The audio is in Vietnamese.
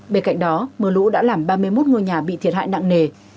bên cạnh đó mưa lũ đã làm ba mươi một ngôi nhà bị thiệt hại nặng nề